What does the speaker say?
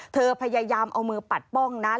พยายามเอามือปัดป้องนะ